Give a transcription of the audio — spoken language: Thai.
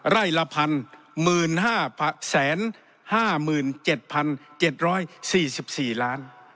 ไร่ละพัน๑๕๐๕๗๗๔๔๐๐๐บาท